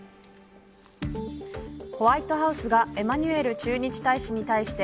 ホワイトハウスがエマニュエル駐日大使に対して